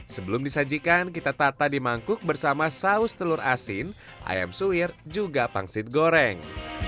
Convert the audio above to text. sebelum disajikan kita tata di mangkuk bersama saus telur asin ayam suwir juga pangsit goreng